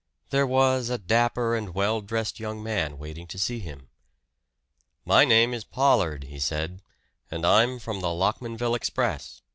There was a dapper and well dressed young man waiting to see him. "My name is Pollard," he said, "and I'm from the Lockmanville 'Express.'